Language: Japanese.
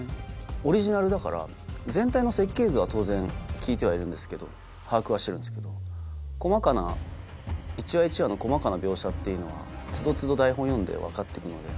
オリジナルだから全体の設計図は当然聞いてはいるんですけど把握はしてるんですけど１話１話の細かな描写っていうのは都度都度台本読んで分かって行くので。